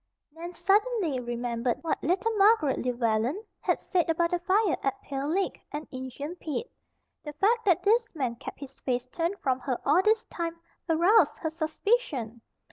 Nan suddenly remembered what little Margaret Llewellen had said about the fire at Pale Lick, and "Injun Pete." The fact that this man kept his face turned from her all this time aroused her suspicion.